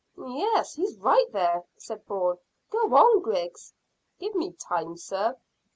"Yes, he's right there," said Bourne. "Go on, Griggs." "Give me time, sir.